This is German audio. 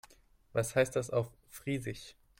Was heißt das auf Friesisch?